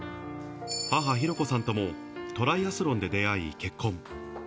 母、紘子さんともトライアスロンで出会い、結婚。